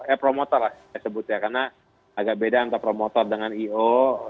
eh promotor lah saya sebut ya karena agak beda antara promotor dengan i o